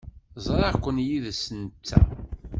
Ẓriɣ-ken yid-s netta.